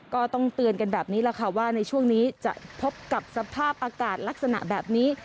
ก็ต้องเตือนกันแบบนี้แหละค่ะว่าในช่วงนี้จะพบกับสภาพอากาศลักษณะแบบนี้